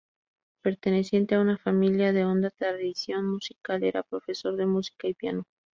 Perteneciente a una familia de honda tradición musical, era profesor de música y piano.